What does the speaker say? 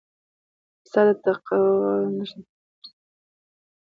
پسه د تقوی نښه ده.